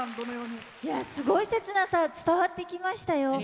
すごい切なさ伝わってきましたよ。